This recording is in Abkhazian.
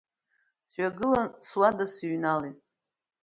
Сҩагылан суада сыҩналеит.